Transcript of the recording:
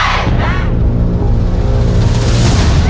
ย่อย